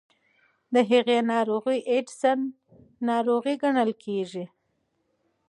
د هغې ناروغۍ اډیسن ناروغي ګڼل کېږي.